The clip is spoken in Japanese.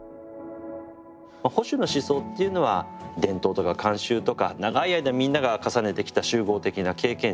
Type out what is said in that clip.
保守の思想っていうのは伝統とか慣習とか長い間みんなが重ねてきた集合的な経験